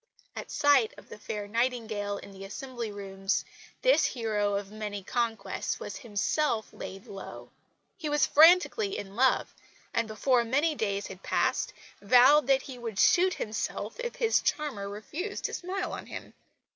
At sight of the fair Nightingale in the Assembly Rooms this hero of many conquests was himself laid low. He was frantically in love, and before many days had passed vowed that he would shoot himself if his charmer refused to smile on him.